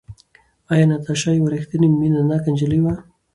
ایا ناتاشا یوه ریښتینې مینه ناکه نجلۍ وه؟